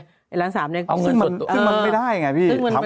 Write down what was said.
ล้านสามเนี่ยเอาเงินส่วนตัวเนี่ยเออมันผิดประเภทซึ่งมันไม่ได้ไงพี่ถามว่า